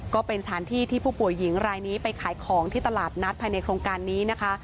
ก็เป็นสถานที่ที่ผู้ปัญก์หญิงรายนี้ไปขายของที่ตลาดนัดในนี้นะคะ